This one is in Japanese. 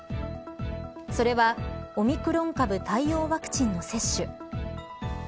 それは、オミクロン株対応ワクチンの接種。